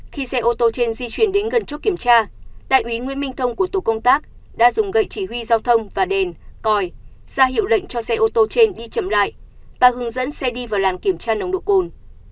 khi xe ô tô trên di chuyển đến gần chốt kiểm tra đại úy nguyễn minh thông của tổ công tác đã dùng gậy chỉ huy giao thông và đền còi ra hiệu lệnh cho xe ô tô trên đi chậm lại bà hướng dẫn xe đi vào làn kiểm tra nồng độ cồn